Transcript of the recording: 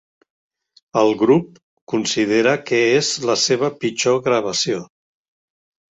El grup considera que és la seva pitjor gravació.